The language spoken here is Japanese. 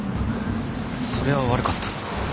それは悪かった。